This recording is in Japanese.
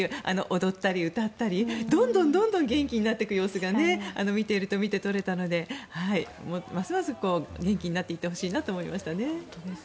踊ったり歌ったりどんどん元気になっていく様子が見ていると見て取れたのでますます元気になっていってほしいなと思いましたね。